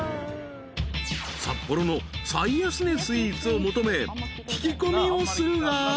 ［札幌の最安値スイーツを求め聞き込みをするが］